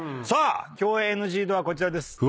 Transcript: さあ共演ＮＧ度はこちらです。